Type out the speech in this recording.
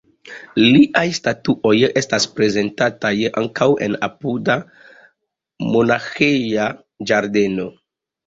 Liaj statuoj estas prezentataj ankaŭ en apuda monaĥeja ĝardeno.